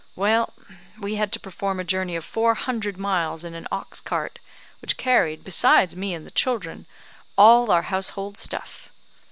Well, we had to perform a journey of four hundred miles in an ox cart, which carried, besides me and the children, all our household stuff.